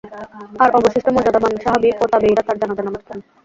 আর অবশিষ্ট মর্যাদাবান সাহাবী ও তাবেয়ীরা তার জানাযার নামায পড়েন।